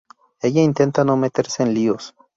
Ella intenta no meterse en líos.